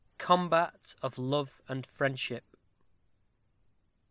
_Combat of Love and Friendship.